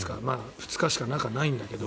２日しか中、ないんだけど。